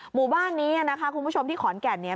หมู่บ้านนี้นะคะคุณผู้ชมที่ขอนแก่นเนี่ย